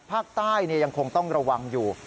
ภาคใต้ยังคงต้องระวังอยู่